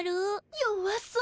弱そう。